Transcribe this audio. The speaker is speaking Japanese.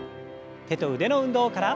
手と腕の運動から。